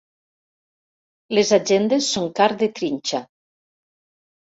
Les agendes són carn de trinxa.